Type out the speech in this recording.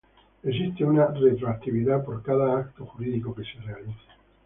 Existe una retroactividad por cada acto jurídico que se realice.